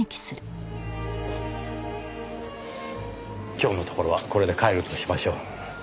今日のところはこれで帰るとしましょう。